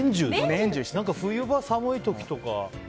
冬場、寒い時とか。